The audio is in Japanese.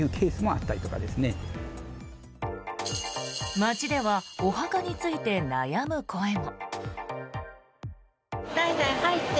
街ではお墓について悩む声も。